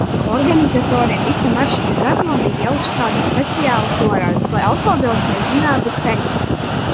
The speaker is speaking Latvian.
Organizatoriem visa maršruta garumā bija jāuzstāda speciālas norādes, lai autobraucēji zinātu ceļu.